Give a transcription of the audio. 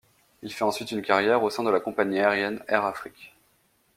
Il fait ensuite une carrière au sein de la compagnie aérienne Air Afrique.